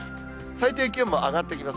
最低気温も上がってきます。